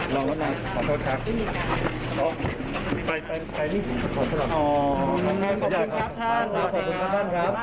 เรียกการขอบคุณคุณครับท่านครับครับ